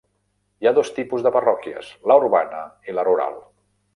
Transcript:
Hi ha dos tipus de parròquies: la urbana i la rural.